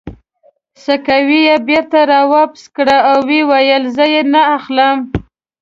سکوې یې بېرته را واپس کړې او ویې ویل: زه یې نه اخلم.